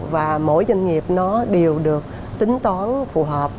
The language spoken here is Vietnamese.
và mỗi doanh nghiệp nó đều được tính toán phù hợp